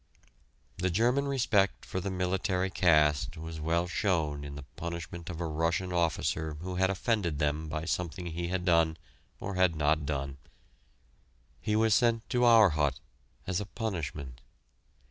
The German respect for the military caste was well shown in the punishment of a Russian officer who had offended them by something he had done or had not done. He was sent to our hut as a punishment.